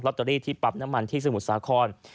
ตเตอรี่ที่ปั๊บน้ำมันที่สมุทรสาคร